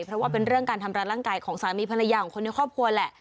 เพราะว่าเป็นเรื่องการทำร้ายร่างกายของสามีภรรยาของคนในครอบครัวแหละ